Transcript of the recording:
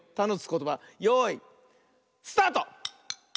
ことばよいスタート！